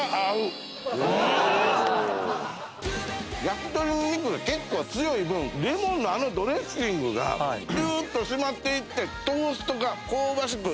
焼き鳥の油分結構強い分レモンのあのドレッシングがキューッとしまっていってトーストが香ばしく。